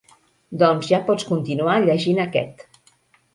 Doncs ja pots continuar llegint aquest.